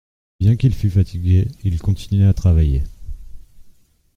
Bien qu’il fût fatigué, il continuait à travailler.